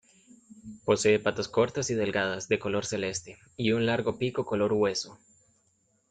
Posee patas cortas y delgadas de color celeste, y un largo pico color hueso.